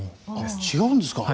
違うんですか？